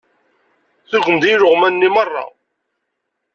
Tugem-d i ileɣman-nni meṛṛa.